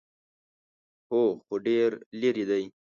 _هو، خو ډېر ليرې دی.